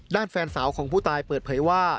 ด้านแฟนสาวของผู้ตายเปิดเผยว่า